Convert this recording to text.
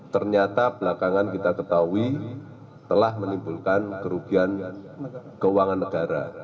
ternyata belakangan kita ketahui telah menimbulkan kerugian keuangan negara